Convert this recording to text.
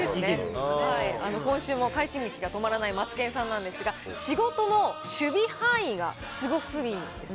今週も快進撃が止まらないマツケンさんなんですが、仕事の守備範囲がすごすぎるんです。